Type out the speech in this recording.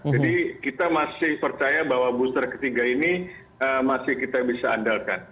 jadi kita masih percaya bahwa booster ketiga ini masih kita bisa andalkan